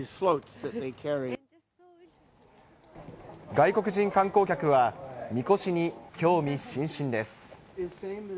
外国人観光客は、みこしに興味津々です。